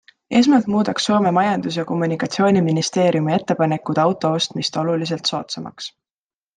Esmalt muudaks Soome majandus- ja kommunikatsiooniministeeriumi ettepanekud auto ostmist oluliselt soodsamaks.